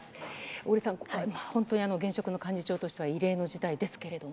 小栗さん、本当に現職の幹事長としては異例の事態ですけれども。